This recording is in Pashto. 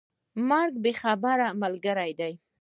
مرګ بې خبره ملګری دی.